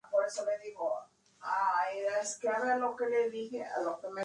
Y miembro de la Unión de Escritores y Artistas de Cuba.